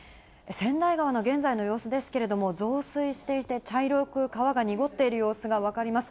川内川の現在の様子ですけれども、増水していて、茶色く川が濁っている様子が分かります。